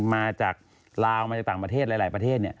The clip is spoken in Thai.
มาจากลาวมาจากต่างประเทศหลายประเทศ